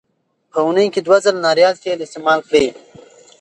په اونۍ کې دوه ځله ناریال تېل استعمال کړئ.